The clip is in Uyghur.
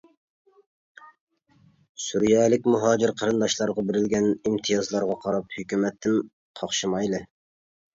سۈرىيەلىك مۇھاجىر قېرىنداشلارغا بېرىلگەن ئىمتىيازلارغا قاراپ ھۆكۈمەتتىن قاقشىمايلى.